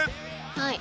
はい。